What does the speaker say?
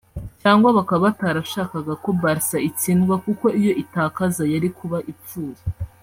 cyangwa bakaba batarashakaga ko Barca itsindwa kuko iyo itakaza yari kuba ipfuye